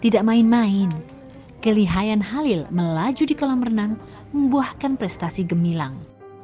tidak main main kelihayan halil melaju di kolam renang membuahkan prestasi gemilang